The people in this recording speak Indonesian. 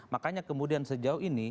makanya kemudian sejauh ini